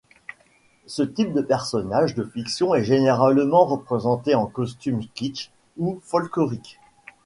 Ce type de personnage de fiction est généralement représenté en costumes kitsch ou folkloriques.